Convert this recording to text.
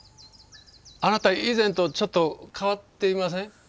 あなた以前とちょっと変わっていません？